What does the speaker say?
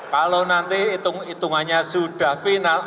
kalau nanti hitung hitungannya sudah final